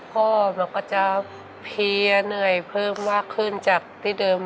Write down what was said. เราก็จะเพลียเหนื่อยเพิ่มมากขึ้นจากที่เดิม